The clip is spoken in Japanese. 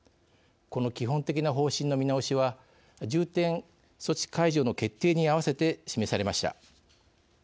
この基本的な方針の見直しは重点措置解除の決定にあわせて示されました。